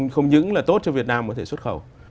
không những là tốt cho việt nam có thể xuất khẩu